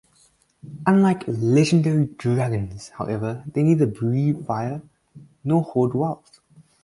Unlike legendary dragons, however, they neither breathe fire nor hoard wealth.